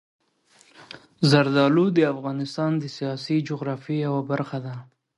زردالو د افغانستان د سیاسي جغرافیې یوه برخه ده.